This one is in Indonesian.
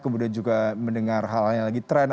kemudian juga mendengar hal hal yang lagi trend